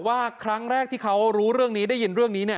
ไฮโซลุคนัทบอกว่าครั้งแรกที่เขารู้เรื่องนี้ได้ยินเรื่องนี้เนี่ย